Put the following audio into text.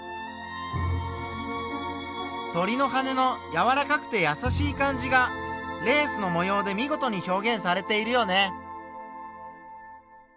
鳥の羽のやわらかくてやさしい感じがレースの模様で見事に表現されているよね。